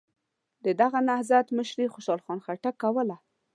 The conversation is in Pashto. د دغه نهضت مشري خوشحال خان خټک کوله.